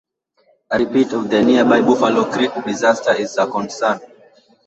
A repeat of the nearby Buffalo Creek disaster is a concern.